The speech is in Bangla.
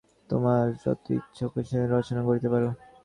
যেখানে এতগুলি সুযোগ, সেখানে তোমার যত ইচ্ছা উপনিষদ রচনা করিতে পার।